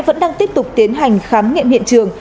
vẫn đang tiếp tục tiến hành khám nghiệm hiện trường